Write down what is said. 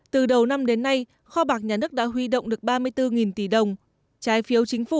từ đầu năm đến nay kho bạc nhà nước đã huy động được ba mươi bốn tỷ đồng trái phiếu chính phủ